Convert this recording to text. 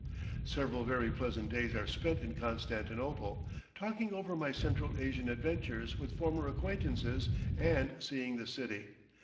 Several very pleasant days are spent in Constantinople, talking over my Central Asian adventures with former acquaintances and seeing the city.